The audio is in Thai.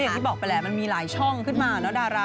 อย่างที่บอกไปแล้วมันมีหลายช่องขึ้นมานะ